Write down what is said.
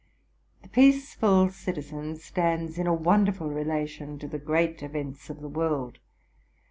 The peaceful citizen stands in a wonderful relation to the great events of the world.